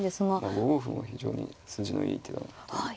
５五歩も非常に筋のいい手。